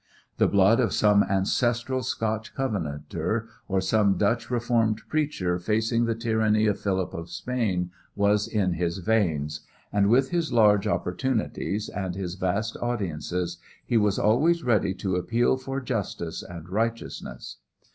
The blood of some ancestral Scotch covenanter or of some Dutch reformed preacher facing the tyranny of Philip of Spain was in his veins, and with his large opportunities and his vast audiences he was always ready to appeal for justice and righteousness.